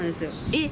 えっ？